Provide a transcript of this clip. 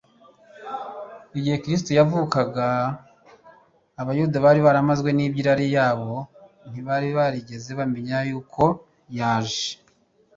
Igihe Kristo yavukaga abayuda bari baramazwe n'iby'irari iyabo ntibigeze bamenya ko yaje.